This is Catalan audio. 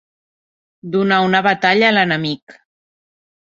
Donar una batalla a l'enemic.